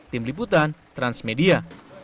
tim liputan transmedia